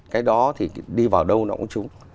cái đó thì đi vào đâu nó cũng trúng